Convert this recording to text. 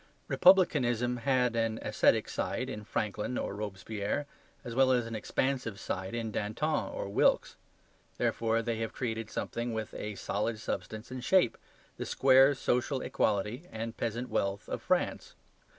Republicanism had an ascetic side in Franklin or Robespierre as well as an expansive side in Danton or Wilkes. Therefore they have created something with a solid substance and shape, the square social equality and peasant wealth of France.